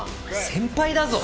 先輩だぞ！